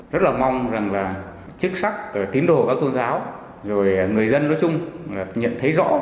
rất là mong rằng là chức sắc tín đồ các tôn giáo rồi người dân nói chung nhận thấy rõ